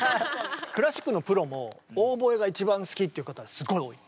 クラシックのプロもオーボエが一番好きっていう方すごい多い。